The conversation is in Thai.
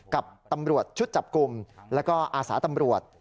กับตำรวจชุดจับกลุ่มแล้วก็อาสาตำรวจ